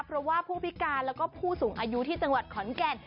เพราะว่าผู้พิการแล้วก็ผู้สูงอายุที่จังหวัดขอนแก่น